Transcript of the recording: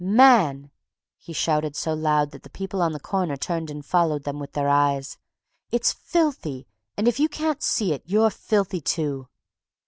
"Man!" he shouted so loud that the people on the corner turned and followed them with their eyes, "it's filthy, and if you can't see it, you're filthy, too!"